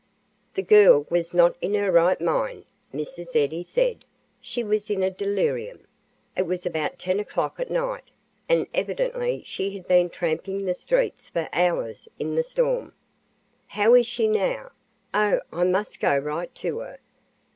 "The girl was not in her right mind," Mrs. Eddy said. "She was in a delirium. It was about 10 o'clock at night, and evidently she had been tramping the streets for hours in the storm." "How is she now? Oh! I must go right to her!